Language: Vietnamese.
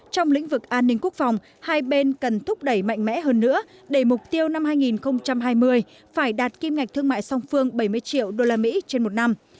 trong lĩnh vực an ninh quốc phòng hai bên cần thúc đẩy mạnh mẽ hơn nữa để mục tiêu năm hai nghìn hai mươi phải đạt kim ngạch thương mại song phương bảy mươi triệu usd trên một năm